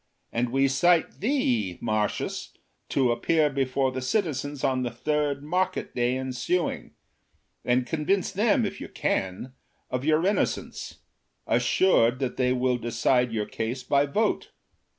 And we cite thee, Marcius, to appear before the citizens on the third market day ensuing, and con vince them, if you can, of your innocence, assured that they will decide your case by vote."